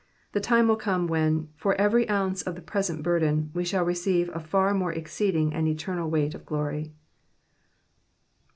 The time will come when, for erery oonce of present burden, we shall receive a far more exceeding and eternal weight of glory.